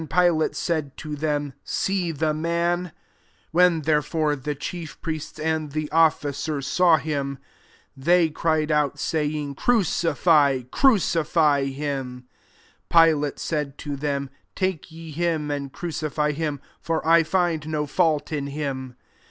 6 When, therefore, tht chief priests and the oflficer saw him, they cried out, saying " Crucify, crucify him." Pilati said to them, '' Take ye him and crucify him : for I find nc fault in him."